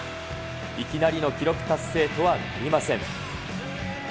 いきなりの記録達成とはなりません。